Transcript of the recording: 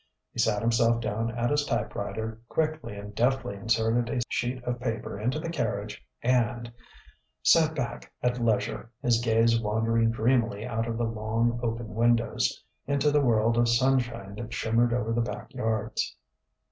He sat himself down at his typewriter, quickly and deftly inserted a sheet of paper into the carriage and ... sat back at leisure, his gaze wandering dreamily out of the long, open windows, into the world of sunshine that shimmered over the back yards.